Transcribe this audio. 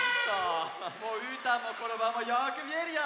もううーたんもコロバウもよくみえるよ！